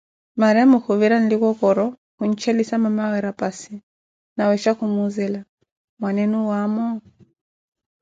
Mariamo khuvira nlikokoroh khuntxelissa mamawe rapassi, nawisha kumuhʼzela: mwaneenu owaamo?